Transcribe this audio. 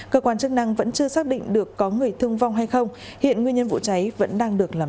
cơ quan chức năng vẫn chưa xác định được có người thương vong hay không hiện nguyên nhân vụ cháy vẫn đang được làm rõ